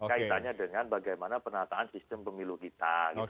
kaitannya dengan bagaimana penataan sistem pemilu kita